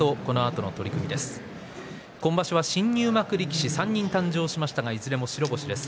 今場所は新入幕力士３人誕生していずれも白星です。